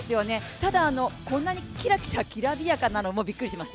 ただこんなにきらきらきらびやかなのもびっくりしました。